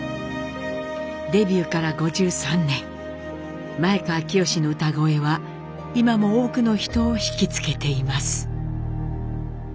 デビューから５３年前川清の歌声は今も多くの人を惹きつけています。